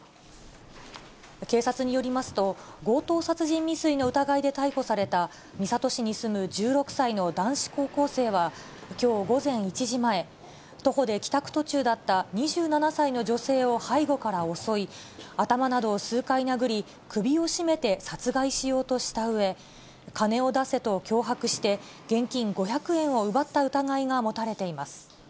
警察によりますと、強盗殺人未遂の疑いで逮捕された、三郷市に住む１６歳の男子高校生は、きょう午前１時前、徒歩で帰宅途中だった２７歳の女性を背後から襲い、頭などを数回殴り、首を絞めて殺害しようとしたうえ、金を出せと脅迫して、現金５００円を奪った疑いが持たれています。